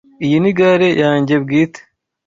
Iyi ni gare yanjye bwite.